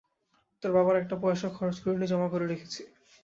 তোর বাবার একটা পয়সাও খরচ করিনি, জমা করে রেখেছি।